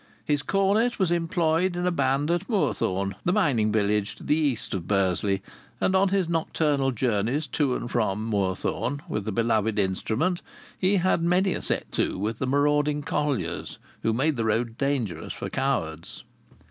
His cornet was employed in a band at Moorthorne, the mining village to the east of Bursley, and on his nocturnal journeys to and from Moorthorne with the beloved instrument he had had many a set to with the marauding colliers who made the road dangerous for cowards.